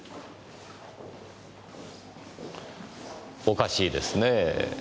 おかしいですねぇ。